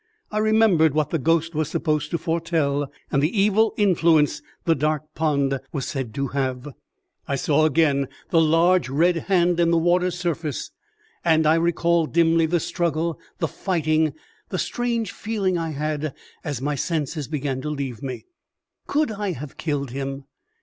I remembered what the ghost was supposed to foretell, and the evil influence the dark pond was said to have. I saw again the large red hand on the water's surface. I recalled dimly the struggle, the fighting, the strange feeling I had as my senses began to leave me. Could I have killed him?